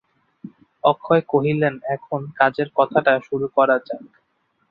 অক্ষয় কহিলেন, এখন কাজের কথাটা শুরু করা যাক।